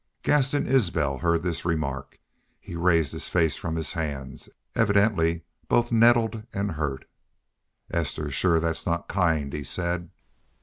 Gaston Isbel heard this remark. He raised his face from his hands, evidently both nettled and hurt. "Esther, shore that's not kind," he said.